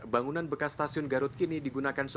bangunan bekas stasiun garut kini digunakan